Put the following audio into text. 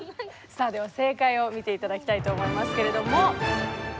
さあでは正解を見て頂きたいと思いますけれども。